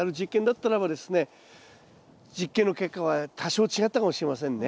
実験の結果は多少違ったかもしれませんね。